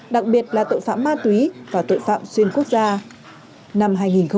đặc biệt là tội phạm ma túy và tội phạm xuyên quốc gia